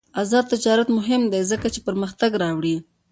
آزاد تجارت مهم دی ځکه چې پرمختګ راوړي.